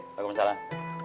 selamat musim salam